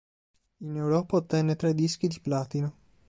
In Europa ottenne tre Dischi di platino.